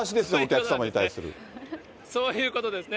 そういうことですね。